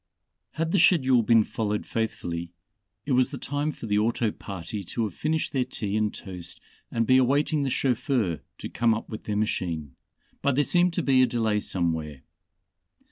Had the schedule been followed faithfully, it was the time for the auto party to have finished their tea and toast and be awaiting the chauffeur to come up with their machine, but there seemed to be a delay somewhere.